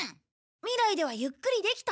未来ではゆっくりできた？